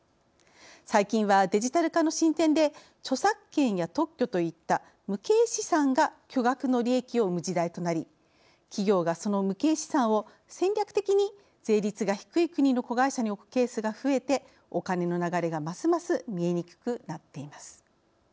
最近はデジタル化の進展で著作権や特許といった無形資産が巨額の利益を生む時代となり企業がその無形資産を戦略的に税率が低い国の子会社に置くケースが増えてお金の流れがますます見えにくくなっています。